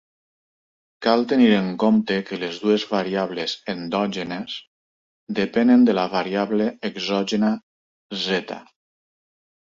Cal tenir en compte que les dues variables endògenes depenen de la variable exògena "Z".